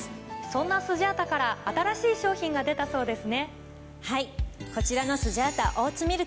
そんなスジャータから新しい商品が出たそうですね。